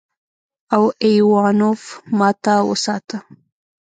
او ايوانوف ماته وساته.